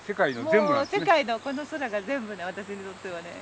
もう世界のこの空が全部私にとってはね。